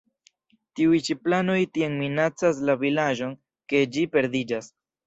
Tiuj ĉi planoj tiom minacas la vilaĝon, ke ĝi perdiĝas.